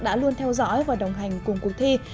đã luôn theo dõi và đồng hành cùng cuộc thi